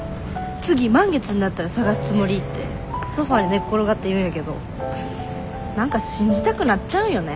次満月になったら探すつもり」ってソファーに寝っ転がって言うんやけど何か信じたくなっちゃうんよね。